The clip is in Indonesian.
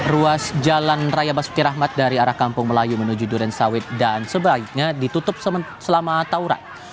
ruas jalan raya basuki rahmat dari arah kampung melayu menuju durensawit dan sebaiknya ditutup selama tawuran